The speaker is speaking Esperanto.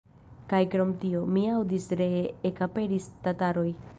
Kaj krom tio, mi aŭdis, ree ekaperis tataroj.